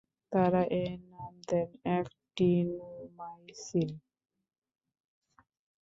তারা এর নাম দেন অ্যাকটিনোমাইসিন।